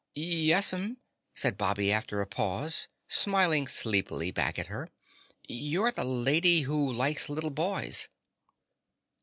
"Yes'm," said Bobby after a pause, smiling sleepily back at her. "You're the Lady Who Likes Little Boys."